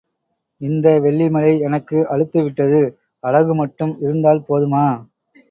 இந்த வெள்ளிமலை எனக்கு அலுத்துவிட்டது அழகு மட்டும் இருந்தால் போதுமா?